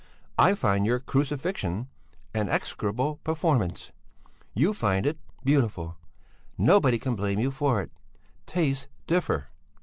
I find your 'Crucifixion' an execrable performance, you find it beautiful. Nobody can blame you for it. Tastes differ!"